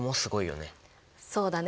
そうだね。